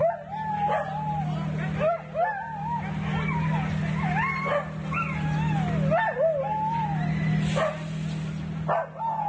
ยิงล้อมกับสำร้อย